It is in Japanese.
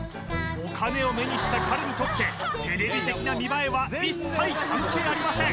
お金を目にした彼にとってテレビ的な見栄えは一切関係ありません！